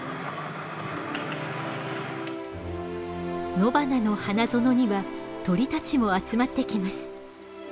野花の花園には鳥たちも集まってきます。